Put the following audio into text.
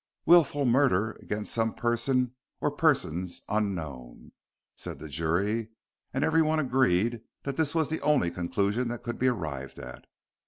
"Wilful murder against some person or persons unknown," said the jury, and everyone agreed that this was the only conclusion that could be arrived at.